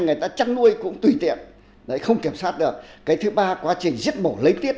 người ta chăn nuôi cũng tùy tiện không kiểm soát được cái thứ ba quá trình giết mổ lấy tiếp